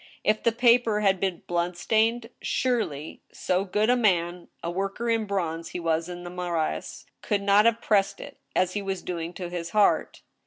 If the paper had been bloodstained, surely so good a man (a worker in bronze he was in the Marais) could not have pressed it, as he was doing, to his heart.